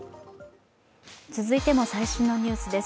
続いても最新のニュースです。